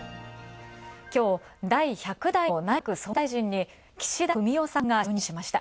きょう第１００代の内閣総理大臣に岸田文雄さんが就任しました。